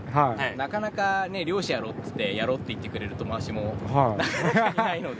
なかなか漁師やろうっつってやろうって言ってくれる友達もなかなかいないので。